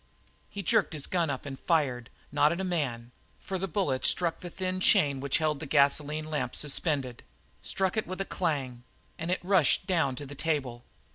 He jerked his gun up and fired, not at a man, for the bullet struck the thin chain which held the gasoline lamp suspended, struck it with a clang, and it rushed down to the table.